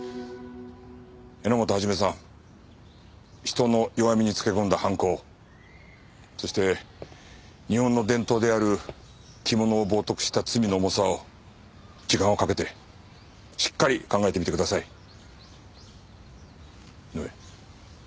榎本一さん人の弱みにつけ込んだ犯行そして日本の伝統である着物を冒涜した罪の重さを時間をかけてしっかり考えてみてください。